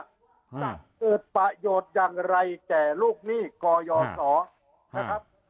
จะเกิดประโยชน์อย่างไรแก่ลูกหนี้กยศนะครับ